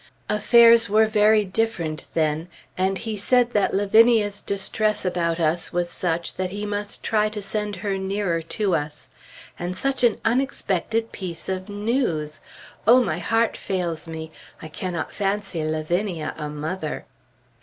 Affairs were very different then, and he said that Lavinia's distress about us was such that he must try to send her nearer to us. And such an unexpected piece of news! Oh, my heart fails me! I cannot fancy Lavinia a mother.